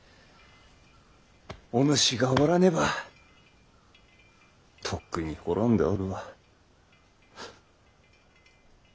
お主がおらねばとっくに滅んでおるわ。